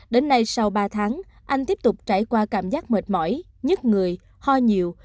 đến nay sau ba tháng anh tiếp tục trải qua cảm giác mệt mỏi nhức người ho nhiều